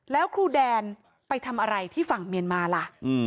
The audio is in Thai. แล้วครูแดนไปทำอะไรที่ฝั่งเมียนมาล่ะ